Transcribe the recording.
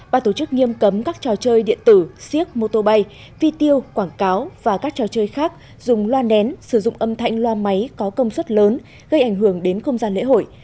bà tổ chức nghiêm cấm các trò chơi điện tử siếc mô tô bay vi tiêu quảng cáo và các trò chơi khác dùng loa nén sử dụng âm thanh loa máy có công suất lớn gây ảnh hưởng đến không gian lễ hội